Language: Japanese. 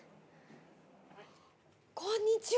こんにちは！